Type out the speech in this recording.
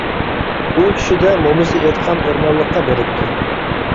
ئۇ چۈشىدە مومىسى ئېيتقان ئورمانلىققا بېرىپتۇ.